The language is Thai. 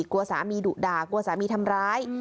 กลัวสามีดุด่ากลัวสามีทำร้าย